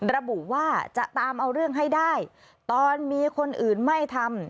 ระบุว่าจะตามเอาเรื่องให้ได้ตอนมีคนอื่นไม่ทำ